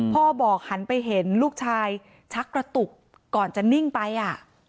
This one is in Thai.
พ่อบอกหันไปเห็นลูกชายชักกระตุกก่อนจะนิ่งไปอ่ะ